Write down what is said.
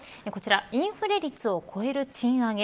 インフレ率を超える賃上げ。